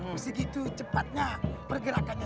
meski gitu cepatnya pergerakannya